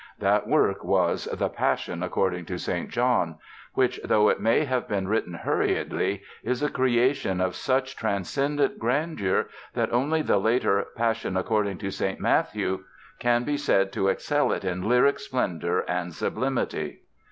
That work was the Passion according to St. John which, though it may have been written hurriedly, is a creation of such transcendent grandeur that only the later Passion according to St. Matthew can be said to excel it in lyric splendor and sublimity.